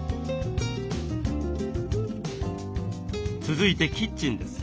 続いてキッチンです。